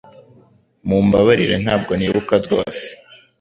Mumbabarire ntabwo nibuka rwose